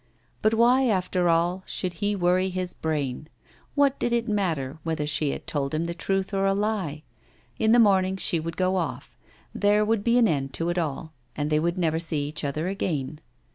But why, after all, should he worry his brain? What did it matter whether she had told him the truth or a lie? In the morning she would go off; there would be an end to it all, and they would never see each other again.